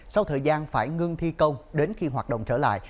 sau thời gian phải ngưng thi công đến khi hoạt động trở lại